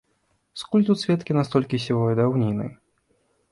Скуль тут сведкі настолькі сівой даўніны?